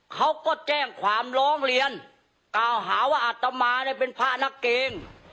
เขาก็แจ้งความร้องเรียนกล่าวหาว่าอัตมาเนี่ยเป็นพระนักเกง